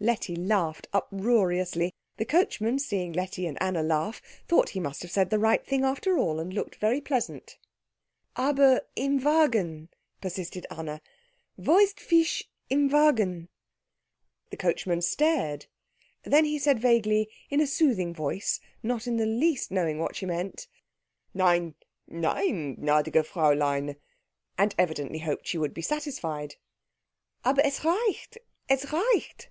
Letty laughed uproariously. The coachman, seeing Letty and Anna laugh, thought he must have said the right thing after all, and looked very pleasant. "Aber im Wagen," persisted Anna, "wo ist Fisch im Wagen?" The coachman stared. Then he said vaguely, in a soothing voice, not in the least knowing what she meant, "Nein, nein, gnädiges Fräulein," and evidently hoped she would be satisfied. "_Aber es riecht, es riecht!